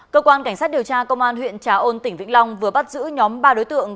cơ quan cảnh sát điều tra công an huyện trà ôn tỉnh vĩnh long vừa bắt giữ nhóm ba đối tượng